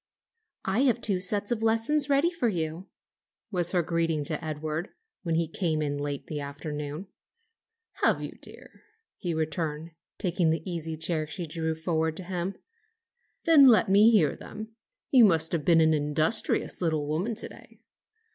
"I have two sets of lessons ready for you," was her greeting to Edward, when he came in late in the afternoon. "Have you, dear?" he returned, taking the easy chair she drew forward for him. "Then let me hear them. You must have been an industrious little woman to day."